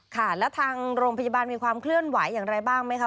ค่ะแล้วทางโรงพยาบาลมีความเคลื่อนไหวอย่างไรบ้างไหมคะ